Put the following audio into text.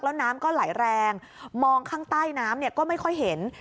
แล้วน้ำก็ไหลแรงมองข้างใต้น้ำเนี่ยก็ไม่ค่อยเห็น